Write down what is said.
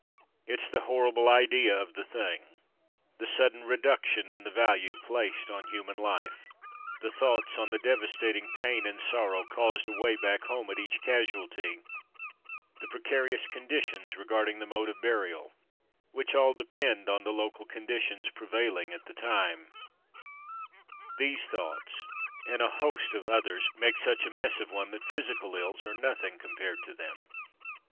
It's the horrible idea of the thing — the sudden reduction in the value placed on human life; the thoughts on the devastating pain and sorrow caused away back home at each casualty; the precari ous conditions regarding the mode of burial, which all depend on the local conditions prevailing at the time; — these thoughts, and a host of others, make such a mess of 136 From Mud to Mufti one that physical ills are nothing compared to them.